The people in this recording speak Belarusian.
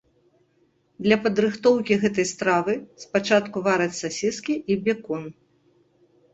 Для падрыхтоўкі гэтай стравы спачатку вараць сасіскі і бекон.